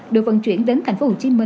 được vận chuyển đến tp hcm